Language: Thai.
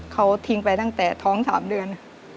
เขาทิ้งไปตั้งแต่ท้อง๓เดือน